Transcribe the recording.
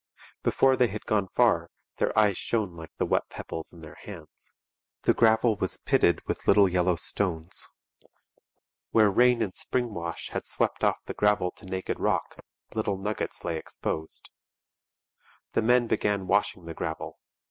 Before they had gone far their eyes shone like the wet pebbles in their hands. The gravel was pitted with little yellow stones. Where rain and spring wash had swept off the gravel to naked rock, little nuggets lay exposed. The men began washing the gravel.